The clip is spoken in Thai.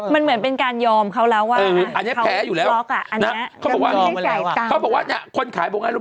มันเหมือนว่ายื่นปากกาให้แล้วก็สลักชื่อ